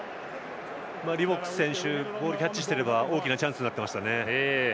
リボック選手、ボールキャッチしてれば大きなチャンスになってましたね。